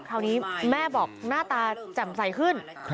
คราวนี้แม่บอกหน้าตาแจ่มใสขึ้น